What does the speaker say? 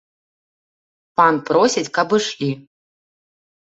Пан просіць, каб ішлі.